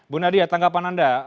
bu nadia tanggapan anda